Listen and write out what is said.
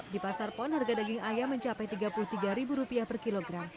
di pasar pon harga daging ayam mencapai rp tiga puluh tiga per kilogram